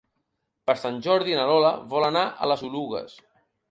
Per Sant Jordi na Lola vol anar a les Oluges.